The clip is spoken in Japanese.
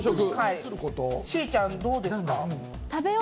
しーちゃん、どうですか？